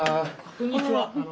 こんにちは。